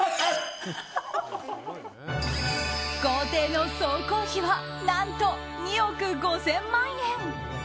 豪邸の総工費は何と２億５０００万円。